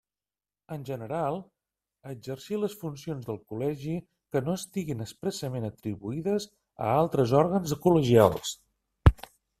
En general, exercir les funcions del Col·legi que no estiguen expressament atribuïdes a altres òrgans col·legials.